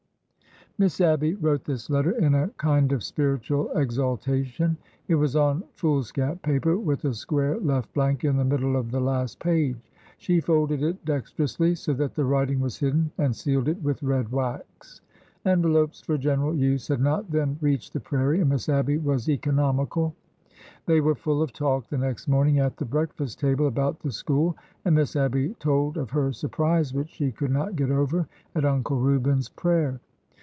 '' Miss Abby wrote this letter in a kind of spiritual exal tation. It was on foolscap paper, with a square left blank in the middle of the last page. She folded it dex terously, so that the writing was hidden, and sealed it with red wax. Envelops for general use had not then reached the prairie, and Miss Abby was economical. They were full of talk the next morning, at the break fast table, about the school; and Miss Abby told of her surprise, which she could not get over, at Uncle Reuben's prayer.